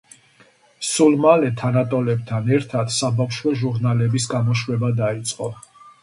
სულ მალე თანატოლებთან ერთად საბავშვო ჟურნალების გამოშვება დაიწყო.